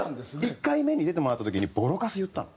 １回目に出てもらった時にボロカス言ったの。